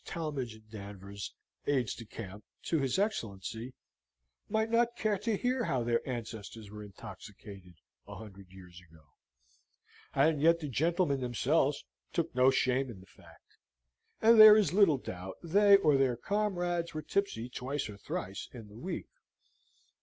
Talmadge and Danvers, aides de camp to his Excellency, might not care to hear how their ancestors were intoxicated a hundred years ago; and yet the gentlemen themselves took no shame in the fact, and there is little doubt they or their comrades were tipsy twice or thrice in the week.